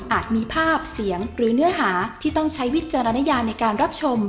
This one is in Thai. มีภาพเสียงหรือเนื้อหาที่ต้องใช้วิจารณญาในการรับชม